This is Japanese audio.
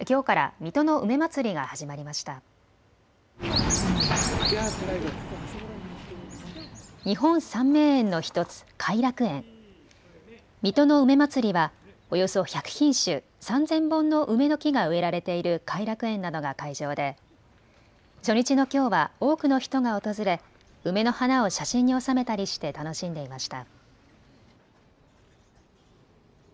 水戸の梅まつりはおよそ１００品種、３０００本の梅の木が植えられている偕楽園などが会場で初日のきょうは多くの人が訪れ梅の花を写真に収めたりして楽しんでいました。